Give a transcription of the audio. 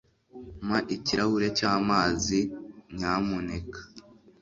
mpa ikirahuri cyamazi, nyamuneka